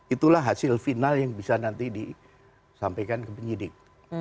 itulah hasil final yang bisa nanti disampaikan ke penyidik